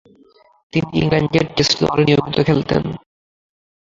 তিনি ইংল্যান্ডের টেস্ট দলে নিয়মিত খেলতেন।